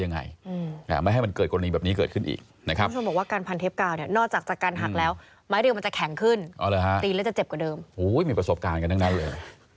ต้องพิจารณอให้รอบความว่าเออเอาอย่างไร